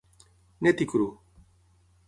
Net i cru.